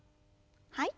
はい。